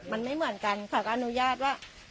มันไม่เหมือนกันเขาก็อนุญาตว่า